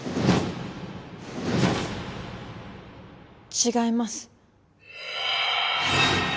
違います。